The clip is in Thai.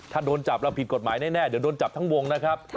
ถ้าโดนจับเราผิดกฎหมายแน่เดี๋ยวโดนจับทั้งวงนะครับ